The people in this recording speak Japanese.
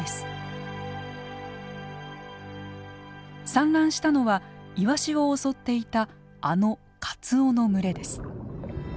産卵したのはイワシを襲っていたあのカツオの群れです。